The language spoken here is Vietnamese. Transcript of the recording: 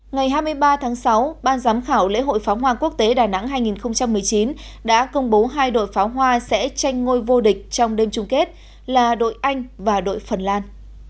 ngày hai mươi ba tháng sáu ban giám khảo lễ hội pháo hoa quốc tế đà nẵng hai nghìn một mươi chín đã công bố hai đội pháo hoa sẽ tranh ngôi vô địch trong đêm chung kết là đội anh và đội phần lan